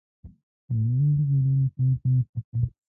شاعرانو او لیکوالانو ښار ته مخه کړه.